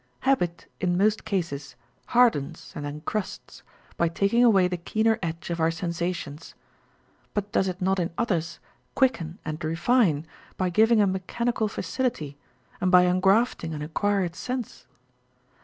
Habit in most cases hardens and encrusts, by taking away the keener edge of our sensations : but does it not in others quicken and refine, by giving a mechanical facility, and by engrafting an acquired sense